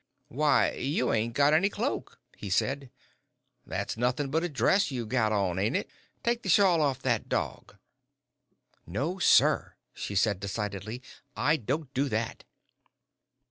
"Why, you ain't got any cloak," he said. "That's nothing but a dress you've got on, ain't it? Take the shawl off that dog." "No, sir," she said, decidedly, "I don't do that."